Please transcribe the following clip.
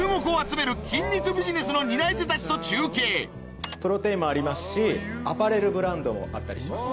次週プロテインもありますしアパレルブランドもあったりします。